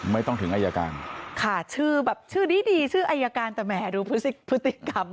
ไม่ต้องถึงไอยาการชื่อนี้ดีชื่อไอยาการแต่แหมดูพฤติกรรม